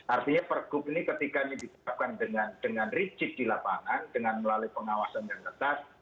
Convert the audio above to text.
artinya pergub ini ketika ini diterapkan dengan rigid di lapangan dengan melalui pengawasan yang ketat